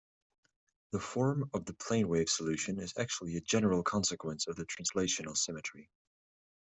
The form of the planewave solution is actually a general consequence of translational symmetry.